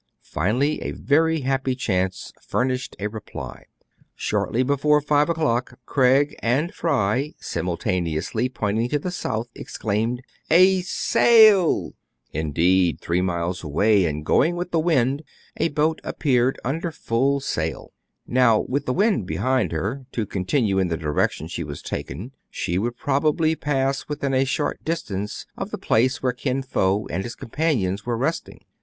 Finally a very happy chance furnished a reply. Shortly before five o'clock, Craig and Fry, simul taneously pointing to the south, exclaimed, —" A sail !" Indeed, three miles away, and going with the wind, a boat appeared under full sail. Now, with the wind behind her, to continue in the direction she was taking, she would probably pass within a short distance of the place where Kin Fo and his companions were resting.